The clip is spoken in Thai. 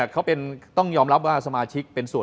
เขาต้องยอมรับว่าสมาชิกเป็นส่วน